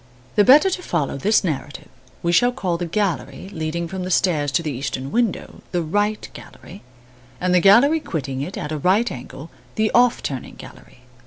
The better to follow this narrative, we shall call the gallery leading from the stairs to the eastern window, the "right" gallery and the gallery quitting it at a right angle, the "off turning" gallery (winding gallery in the plan).